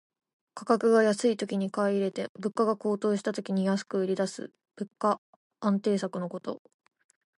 価格が安いときに買い入れて、物価が高騰した時に安く売りだす物価安定策のこと。